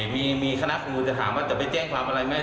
มีคณะครูจะถามว่าจะไปแจ้งความอะไรไหม